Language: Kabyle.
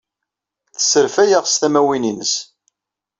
Tesserfay-aɣ s tamawin-nnes.